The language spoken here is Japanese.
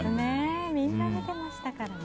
みんな見てましたからね。